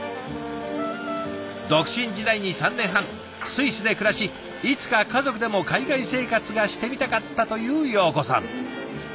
独身時代に３年半スイスで暮らしいつか家族でも海外生活がしてみたかったという洋子さん。